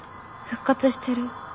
復活してる。